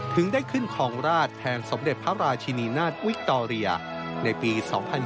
ถึงได้ขึ้นคลองราชแทนสมเด็จพระราชินีนาฏวิคตอเรียในปี๒๐๒๐